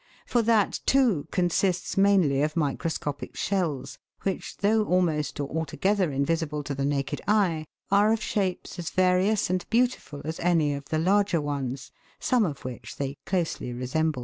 For that, too, consists mainly of microscopic shells, which, though almost or altogether in visible to the naked eye, are of shapes as various and beauti ful as any of the larger ones, some of which they closely resemble.